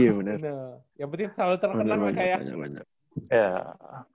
yang penting selalu terkenal kayak